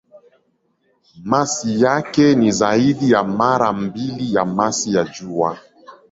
Masi yake ni zaidi ya mara mbili ya masi ya Jua.